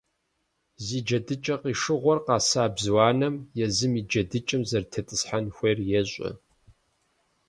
Зи джэдыкӀэ къишыгъуэр къэса бзу анэм езым и джэдыкӀэм зэрытетӀысхьэн хуейр ещӀэ.